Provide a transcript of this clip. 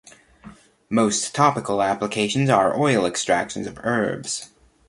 Most topical applications are oil extractions of herbs.